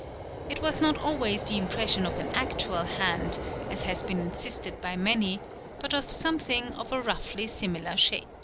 It was not always the impression of an actual hand, as has been insisted by many, but of something of a roughly similar shape.